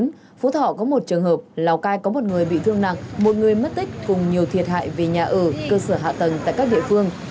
trong đó phú thọ có một trường hợp lào cai có một người bị thương nặng một người mất tích cùng nhiều thiệt hại về nhà ở cơ sở hạ tầng tại các địa phương